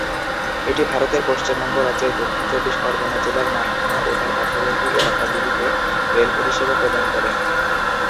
এটি ভারতের পশ্চিমবঙ্গ রাজ্যের দক্ষিণ চব্বিশ পরগনা জেলার নামখানা ও তার পার্শ্ববর্তী এলাকাগুলিতে রেল পরিষেবা প্রদান করে।